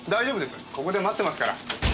ここで待ってますから。